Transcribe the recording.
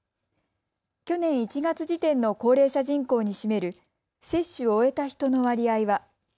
去年１月時点の高齢者人口に占める接種を終えた人の割合は。